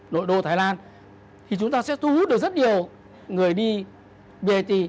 nội đô thái lan thì chúng ta sẽ thu hút được rất nhiều người đi về